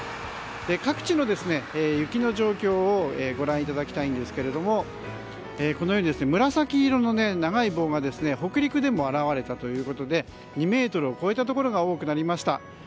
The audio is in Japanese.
各地の雪の状況をご覧いただきたいんですけどもこのように紫色の長い棒が北陸でも現れたということで２ｍを超えたところが多くなりました。